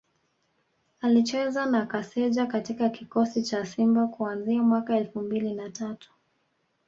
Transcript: Alicheza na Kaseja katika kikosi cha Simba kuanzia mwaka elfu mbili na tatu